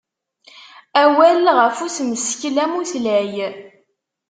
Awal ɣef usmeskel amutlay.